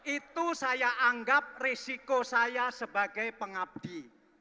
itu saya anggap risiko saya sebagai pengabdi